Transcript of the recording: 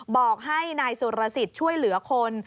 บอกให้นายสุรสิทธิ์ช่วยเหลือคน